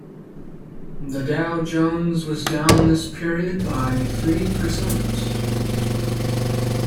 The Dow Jones was down this period by three percent.